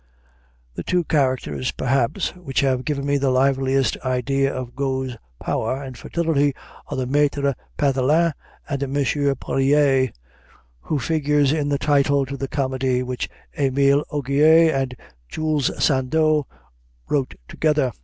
The two characters, perhaps, which have given me the liveliest idea of Got's power and fertility are the Maître Pathelin and the M. Poirier who figures in the title to the comedy which Émile Augier and Jules Sandeau wrote together.